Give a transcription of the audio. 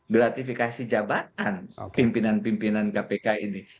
gratifikasi jabatan pimpinan pimpinan kpk ini